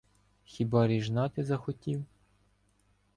Хіба ріжна ти захотів?